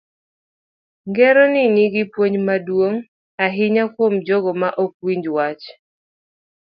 Ngero ni nigi puonj maduong' ahinya kuom jogo ma ok winj wach.